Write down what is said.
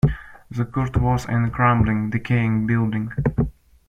The court was in a crumbling, decaying building.